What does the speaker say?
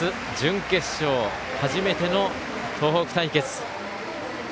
夏、準決勝、初めての東北対決。